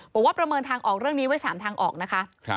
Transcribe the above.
ประเมินทางออกเรื่องนี้ไว้๓ทางออกนะคะ